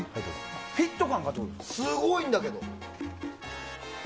フィット感がすごいんだけど。